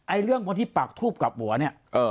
ไอ้เรื่องพวกที่ปากทูปกับบัวเนี่ย